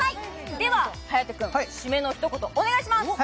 では、颯君、締めのひと言お願いします。